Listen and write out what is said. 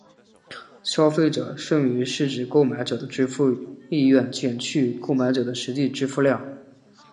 消费者剩余是指购买者的支付意愿减去购买者的实际支付量。